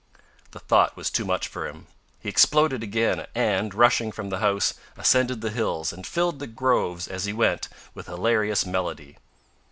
The thought was too much for him. He exploded again, and, rushing from the house, ascended the hills, and filled the groves as he went with hilarious melody.